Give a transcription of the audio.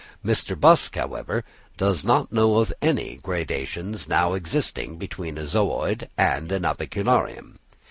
Mr. Busk, however, does not know of any gradations now existing between a zooid and an avicularium.